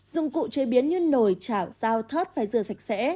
dụng cụ chế biến như nồi chảo dao thớt phải rửa sạch sẽ